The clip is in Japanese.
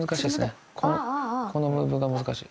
このムーブが難しい。